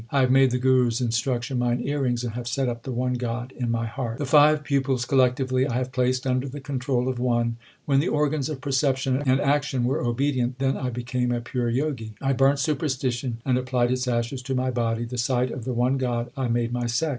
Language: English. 1 have made the Guru s instruction mine earrings, and have set up the one God in my heart. 154 THE SIKH RELIGION The five pupils collectively I have placed under the con trol of One. 1 When the organs of perception and action were obedient, then I became a pure Jogi. I burnt superstition and applied its ashes to my body ; the sight of the one God I made my sect.